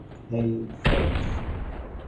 হেই, surge!